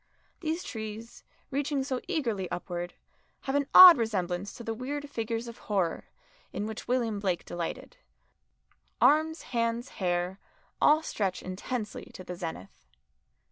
These trees, reaching so eagerly upward, have an odd resemblance to the weird figures of horror in which William Blake delighted arms, hands, hair, all stretch intensely to the zenith.